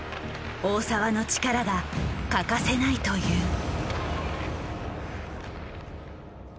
大澤の力が欠かせないという。